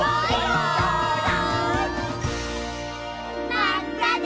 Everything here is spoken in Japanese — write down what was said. まったね！